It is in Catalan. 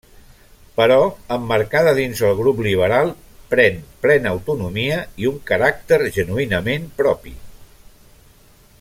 Però emmarcada dins el grup liberal pren plena autonomia i un caràcter genuïnament propi.